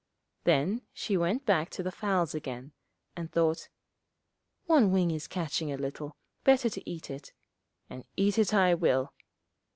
Then she went back to the fowls again, and thought, 'One wing is catching a little, better to eat it and eat it I will.'